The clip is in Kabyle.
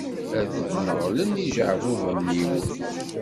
Ad d-neɣlen yijeɛbuben-iw.